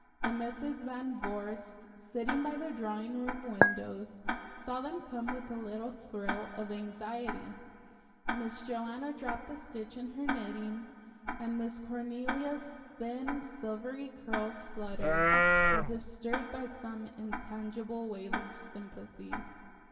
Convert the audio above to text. The Misses Van Vorst, sitting by the drawing room windows, saw them come with a little thrill of anxiety. Miss Joanna dropped a stitch in her knitting, and Miss Cornelia's thin, silvery curls fluttered, as if stirred by some intangible wave of sympathy.